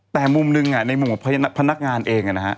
แต่มุมหนึ่งในมุมพนักงานเองนะฮะ